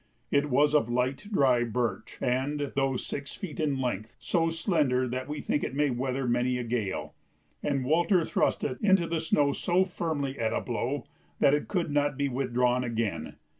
It was of light, dry birch and, though six feet in length, so slender that we think it may weather many a gale. And Walter thrust it into the snow so firmly at a blow that it could not be withdrawn again.